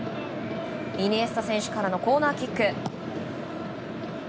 イニエスタ選手からのコーナーキック。